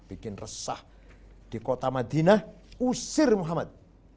bikin resah di kota madinah usir muhammad